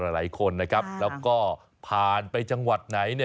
แล้วก็ผ่านไปจังหวัดไหน